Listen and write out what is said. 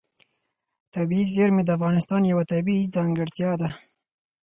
طبیعي زیرمې د افغانستان یوه طبیعي ځانګړتیا ده.